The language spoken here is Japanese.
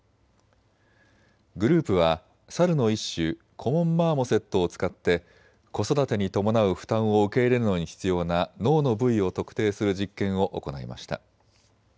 グループはサルの一種、コモン・マーモセットを使って子育てに伴う負担を受け入れるのに必要な脳の部位を特定する実験を行いました。